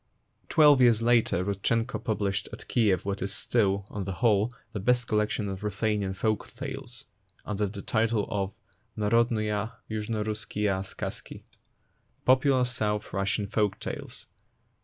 Twelve years later Rudchenko pub Hshed at Kiev what is still, on the whole, the best collection of Ruthenian folk tales, under the title of Narodnuiya Yuzhnorusskiya Skazki (" Popular South Russian Folk tales